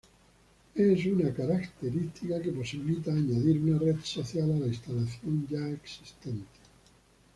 Es una característica que posibilita añadir una red social a la instalación ya existente.